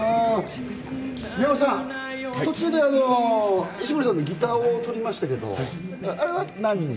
宮本さん、途中で石森さんのギターを取りましたけども、あれは何？